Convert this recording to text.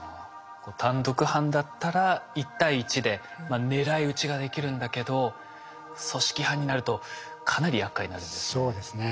単独犯だったら１対１で狙い撃ちができるんだけど組織犯になるとかなりやっかいになるんですね。